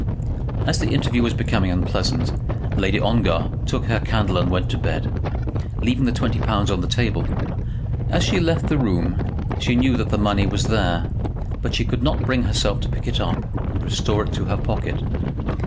As the interview was becoming unpleasant, Lady Ongar took her candle and went away to bed, leaving the twenty pounds on the table. As she left the room she knew that the money was there, but she could not bring herself to pick it up and restore it to her pocket.